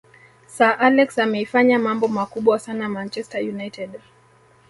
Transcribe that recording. sir alex ameifanyia mambo makubwa sana manchester united